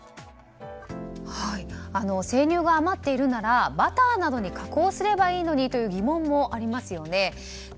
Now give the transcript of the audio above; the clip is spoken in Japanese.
生乳が余っているならバターなどに加工すればいいのにという疑問もありますよね。